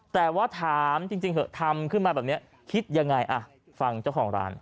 แต่ว่าถามจริงเถอะทำขึ้นมาแบบนี้คิดยังไงอ่ะฟังเจ้าของร้าน